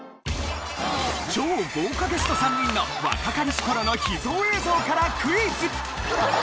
超豪華ゲスト３人の若かりし頃の秘蔵映像からクイズ！